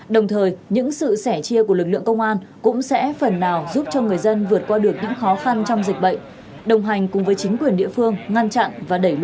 đồng thời những sự sẻ chia của lực lượng công an cũng sẽ phần nào giúp cho người dân vượt qua được những khó khăn trong dịch bệnh đồng hành cùng với chính quyền địa phương ngăn chặn và đẩy lùi